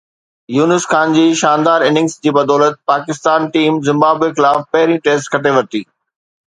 يونس خان جي شاندار اننگز جي بدولت پاڪستاني ٽيم زمبابوي خلاف پهرين ٽيسٽ کٽي ورتي